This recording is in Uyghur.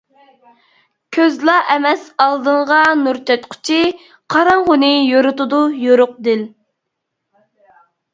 كۆزلا ئەمەس ئالدىڭغا نۇر چاچقۇچى، قاراڭغۇنى يورۇتىدۇ يورۇق دىل.